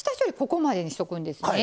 ここまでにしとくんですね。